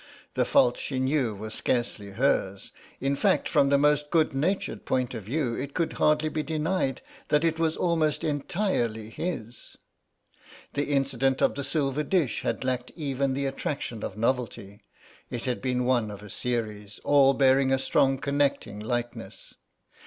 The fault she knew was scarcely hers, in fact from the most good natured point of view it could hardly be denied that it was almost entirely his. The incident of the silver dish had lacked even the attraction of novelty; it had been one of a series, all bearing a strong connecting likeness.